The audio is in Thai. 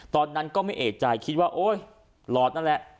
ตอนนั้นก็ไม่เอกใจคิดว่าโอ๊ยหลอดนั่นแหละ